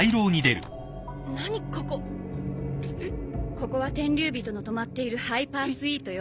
ここは天竜人の泊まっているハイパースイートよ。